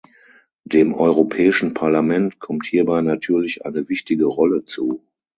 Dem Europäischen Parlament kommt hierbei natürlich eine wichtige Rolle zu.